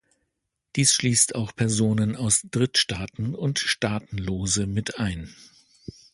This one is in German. Dies schließt auch Personen aus Drittstaaten und Staatenlose mit ein.